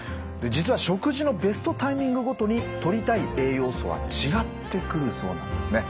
実は食事のベストタイミングごとにとりたい栄養素は違ってくるそうなんですね。